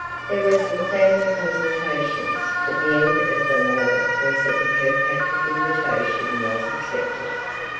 There were some family consultations; but the end of them all was that the Kirkpatrick invitation was accepted.